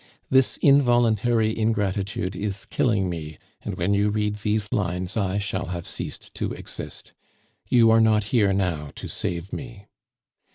This involuntary ingratitude is killing me, and when you read these lines I shall have ceased to exist. You are not here now to save me.